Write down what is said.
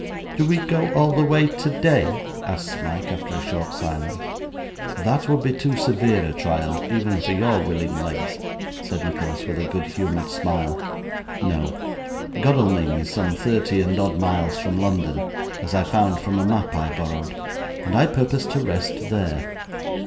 'Do we go all the way today?' asked Smike, after a short silence. 'That would be too severe a trial, even for your willing legs,' said Nicholas, with a good humoured smile. 'No. Godalming is some thirty and odd miles from London as I found from a map I borrowed and I purpose to rest there.